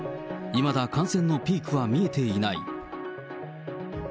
いまだ感染のピークは見えていない。